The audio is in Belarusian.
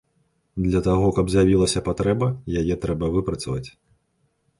Для таго, каб з'явілася патрэба, яе трэба выпрацаваць.